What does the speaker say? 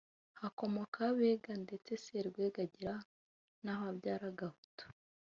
hakomokaho Abega; ndetse Serwega agera naho abyara Gahutu